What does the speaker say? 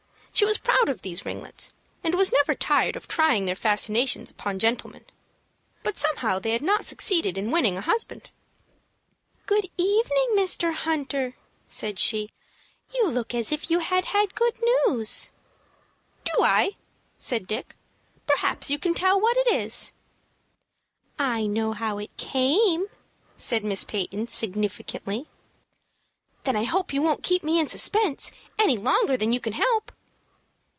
She was proud of these ringlets, and was never tired of trying their fascinations upon gentlemen. But somehow they had not succeeded in winning a husband. "Good evening, Mr. Hunter," said she. "You look as if you had had good news." "Do I?" said Dick. "Perhaps you can tell what it is." "I know how it came," said Miss Peyton, significantly. "Then I hope you won't keep me in suspense any longer than you can help."